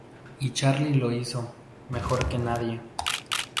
Y Charly lo hizo, mejor que nadie.